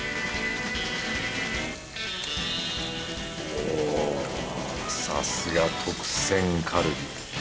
おおさすが特選カルビ。